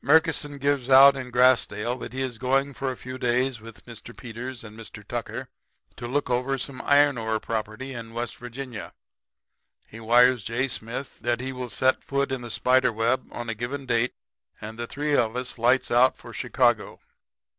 "Murkison gives it out in Grassdale that he is going for a few days with Mr. Peters and Mr. Tucker to look over some iron ore property in West Virginia. He wires J. Smith that he will set foot in the spider web on a given date; and the three of us lights out for Chicago.